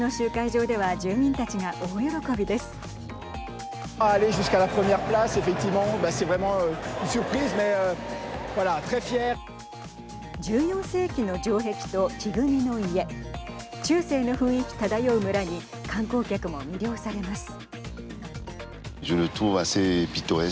中世の雰囲気漂う村に観光客も魅了されます。